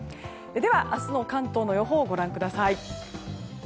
明日の関東の予報ご覧ください。